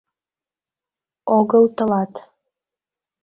— Огыл тылат...